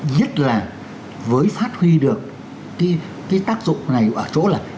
nhất là với phát huy được cái tác dụng này ở chỗ là